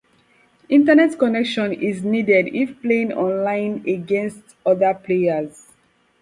Internet connection is needed if playing online against other players.